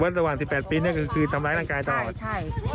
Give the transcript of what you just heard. แต่ว่าสำหรับสิบแปดปีเนี้ยคือคือทำลายร่างกายตลอดใช่ใช่